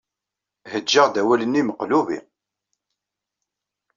Heǧǧaɣ-d awal-nni meqlubi.